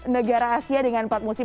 negara asia dengan empat musim